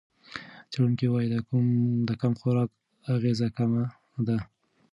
څېړونکي وايي د کم خوراک اغېز کم دی.